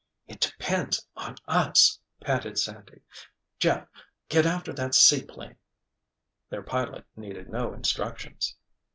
"It depends on us!" panted Sandy. "Jeff—get after that seaplane!" Their pilot needed no instructions.